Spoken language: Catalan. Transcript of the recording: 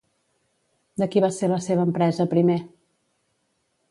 De qui va ser la seva empresa primer?